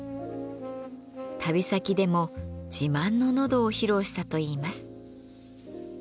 旅先でも自慢の喉を披露したといいます。